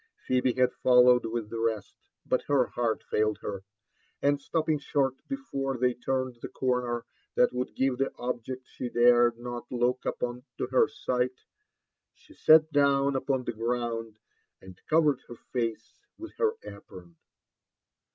Phebe had followed with the rest; but her heart failed her, and stopping short before they turned the corner that would give the object she dared not look upon to her sight, she sat down upon the ground and covered her face with her apron.